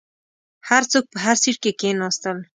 هر څوک په هر سیټ کې کیناستل.